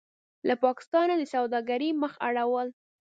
له پاکستانه د سوداګرۍ مخ اړول: